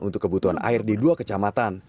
untuk kebutuhan air di dua kecamatan